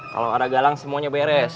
kalau ada galang semuanya beres